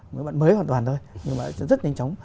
mới hoàn toàn thôi nhưng mà rất nhanh chóng